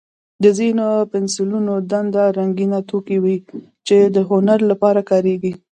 د ځینو پنسلونو دننه رنګینه توکي وي، چې د هنر لپاره کارېږي.